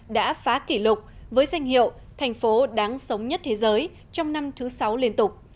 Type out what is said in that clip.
đã phá kỷ lục với danh hiệu thành phố đáng sống nhất thế giới trong năm thứ sáu liên tục